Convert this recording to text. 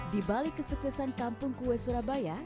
di balik kesuksesan kampung kue surabaya